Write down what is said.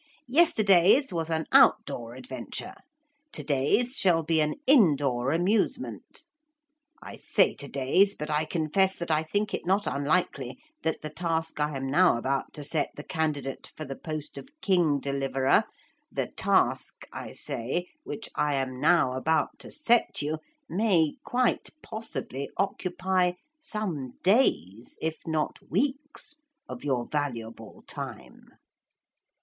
Yesterday's was an out door adventure. To day's shall be an indoor amusement. I say to day's but I confess that I think it not unlikely that the task I am now about to set the candidate for the post of King Deliverer, the task, I say, which I am now about to set you, may, quite possibly, occupy some days, if not weeks of your valuable time.'